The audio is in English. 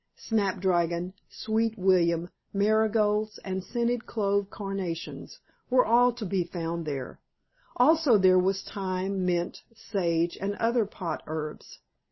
Snapdragon, sweet william, marigolds, and scented clove carnations, were all to be found there: also there was thyme, mint, sage, and other pot herbs.